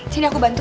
sini aku bantu